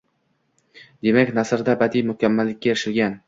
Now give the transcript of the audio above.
Demak, nasrda badiiy mukammallikka erishilgan